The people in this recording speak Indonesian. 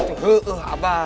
saya ini mau pulang ya abah